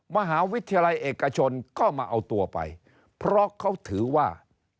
มหาวิทยาลัยเอกชนก็มาเอาตัวไปเพราะเขาถือว่า